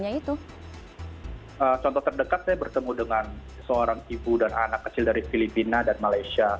yaitu contoh terdekat saya bertemu dengan seorang ibu dan anak kecil dari filipina dan malaysia